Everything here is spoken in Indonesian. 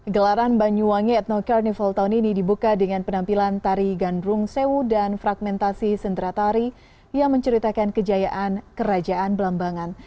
gelaran banyuwangi ethno carnival tahun ini dibuka dengan penampilan tari gandrung sewu dan fragmentasi sendera tari yang menceritakan kejayaan kerajaan belambangan